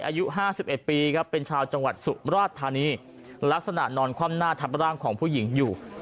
อายุ๕๑ปีครับเป็นชาวจังหวัดสุมราชธานีลักษณะนอนคว่ำหน้าทับร่างของผู้หญิงอยู่